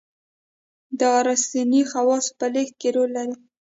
دارثي خواصو په لېږد کې رول لري.